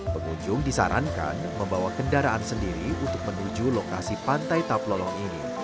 pengunjung disarankan membawa kendaraan sendiri untuk menuju lokasi pantai taplolong ini